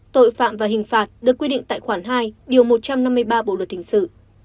tội phạm và hình phạt được quy định tại khoản hai điều một trăm năm mươi ba bộ luật hình sự